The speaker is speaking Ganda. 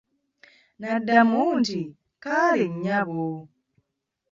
Naddmu nti kaale nnyabo.